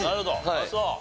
あっそう。